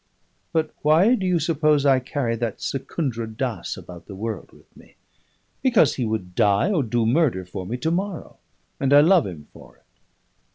But why do you suppose I carry that Secundra Dass about the world with me? Because he would die or do murder for me to morrow; and I love him for it.